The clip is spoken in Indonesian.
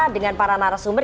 dengan para narasumber